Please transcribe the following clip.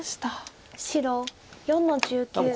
白４の十九ツギ。